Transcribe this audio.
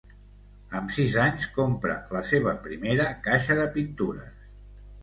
Amb sis anys compra la seva primera caixa de pintures.